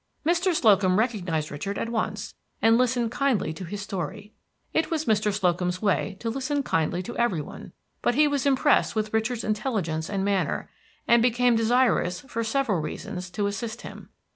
Mr. Slocum recognized Richard at once, and listened kindly to his story. It was Mr. Slocum's way to listen kindly to every one; but he was impressed with Richard's intelligence and manner, and became desirous, for several reasons, to assist him.